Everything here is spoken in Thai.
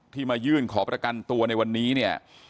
ที่มายื่นขอประกันตัวในวันนี้